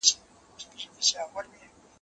نه په كار مي پاچهي نه خزانې دي